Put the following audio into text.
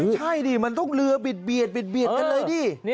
ใช่ดิมันต้องเรือเบียดกันเลยดิ